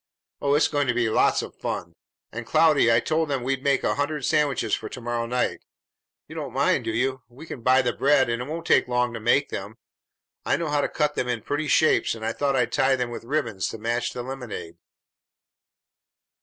Oh, it's going to be lots of fun. And, Cloudy, I told them we'd make a hundred sandwiches for to morrow night; you don't mind, do you? We can buy the bread, and it won't take long to make them. I know how to cut them in pretty shapes, and I thought I'd tie them with ribbons to match the lemonade."